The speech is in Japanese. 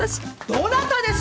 どなたです！？